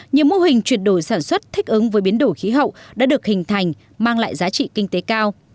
nhiều mô hình chuyển đổi sản xuất thích ứng với biến đổi khí hậu đã được hình thành mang lại giá trị kinh tế cao